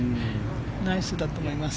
ナイスだと思います。